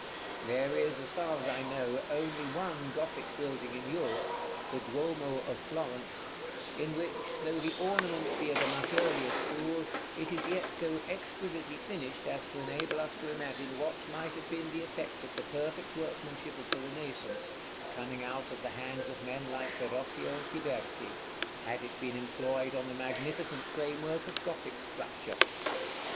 There is, as far as I know, only one Gothic building in Europe, the Duomo of Florence, in which, though the ornament be of a much earlier school, it is yet so exquisitely finished as to enable us to imagine what might have been the effect of the perfect workmanship of the Renaissance, coming out of the hands of men like Verrocchio and Ghiberti, had it been employed on the magnificent framework of Gothic structure.